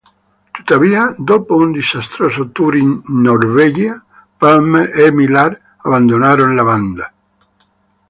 Tuttavia, dopo un disastroso tour in Norvegia, Palmer e Millar abbandonarono la band.